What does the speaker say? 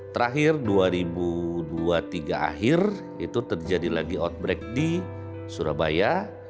terakhir dua ribu dua puluh tiga akhir itu terjadi lagi outbreak di surabaya